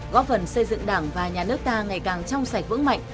góp phần xây dựng đảng và nhà nước ta ngày càng trong sạch vững mạnh